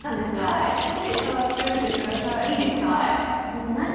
はい、ぜひ触ってみてください。